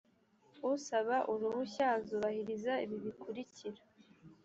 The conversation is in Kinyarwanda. usaba uruhushya azubahiriza ibi bikurikira